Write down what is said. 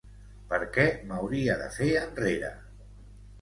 ¿Per què m'hauria de fer enrere?